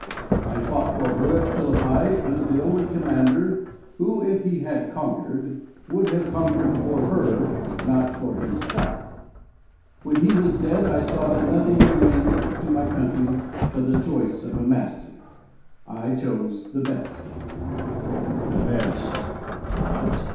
I fought for her at Philippi under the only commander, who, if he had conquered, would have conquered for her, not for himself. When he was dead I saw that nothing remained to my country but the choice of a master. I chose the best. Cato. The best! What!